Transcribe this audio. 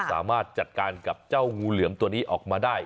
สามารถจัดการกับเจ้างูเหลือมตัวนี้ออกมาได้